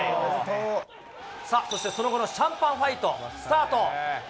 そしてその後のシャンパンファイトスタート。